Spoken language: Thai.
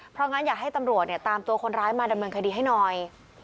เพราะงั้นอยากให้ตำรวจเนี่ยตามตัวคนร้ายมาดำเนินคดีให้หน่อย